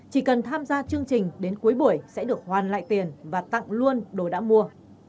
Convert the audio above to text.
chỉ cần tham gia chương trình đến cuối buổi sẽ được hoàn lại tiền và tặng luôn đồ đã mua